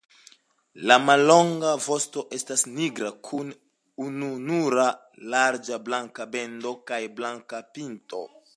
La mallonga vosto estas nigra kun ununura larĝa blanka bendo kaj blanka pinto.